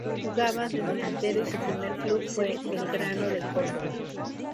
Jugaba de delantero y su primer club fue Belgrano de Córdoba.